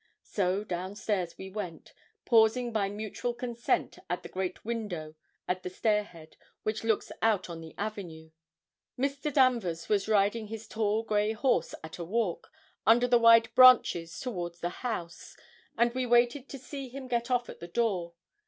So down stairs we went, pausing by mutual consent at the great window at the stair head, which looks out on the avenue. Mr. Danvers was riding his tall, grey horse at a walk, under the wide branches toward the house, and we waited to see him get off at the door.